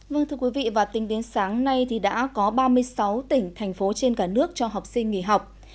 vâng thưa quý vị và tính đến sáng nay thì đã có ba mươi sáu tỉnh thành phố trên cả nước cho học sinh nghỉ học